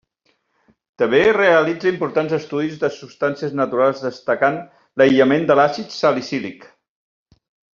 També realitzà importants estudis de substàncies naturals destacant l'aïllament de l'àcid salicílic.